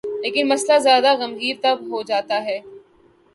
لیکن مسئلہ زیادہ گمبھیر تب ہو جاتا ہے۔